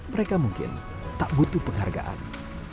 mereka mungkin tak butuh penghargaan